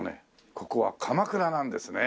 ここは鎌倉なんですね。